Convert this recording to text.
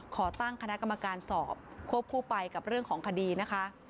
ขอตั้งคณะกรรมการสอบควบคู่ไปกับเรื่องของคดีนะคะ